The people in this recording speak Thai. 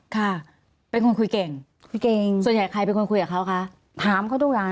ค่ะเป็นคนคุยเก่งคุยเก่งส่วนใหญ่ใครเป็นคนคุยกับเขาคะ